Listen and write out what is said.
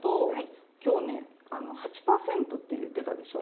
今日ね８％って言ってたでしょ。